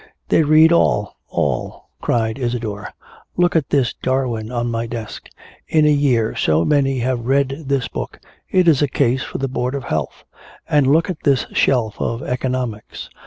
"They read all, all!" cried Isadore. "Look at this Darwin on my desk. In a year so many have read this book it is a case for the board of health. And look at this shelf of economics.